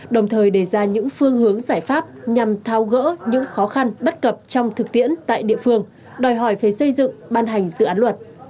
đồng thời đề ra những phương hướng giải pháp nhằm thao gỡ những khó khăn bất cập trong thực tiễn tại địa phương đòi hỏi phải xây dựng ban hành dự án luật